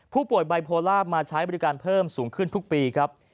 ไบโพลามาใช้บริการเพิ่มสูงขึ้นทุกปีครับ